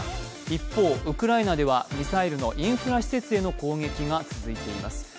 一方、ウクライナではミサイルのインフラ施設への攻撃が続いています。